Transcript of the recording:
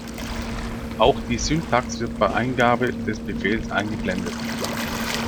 Auch die Syntax wird bei Eingabe des Befehls eingeblendet.